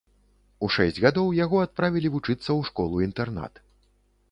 У шэсць гадоў яго адправілі вучыцца ў школу-інтэрнат.